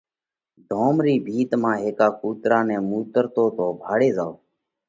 ڌوم رِي ڀِت مانه هيڪا ڪُوترا نئہ مُوترتو تو ڀاۯي زائوه